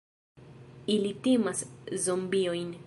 Ili timas zombiojn!